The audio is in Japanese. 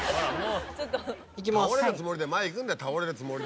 倒れるつもりで前行くんだよ倒れるつもりで。